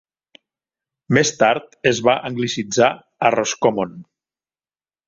Més tard es va anglicitzar a Roscommon.